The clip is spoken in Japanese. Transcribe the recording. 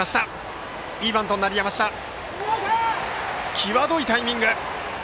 際どいタイミング。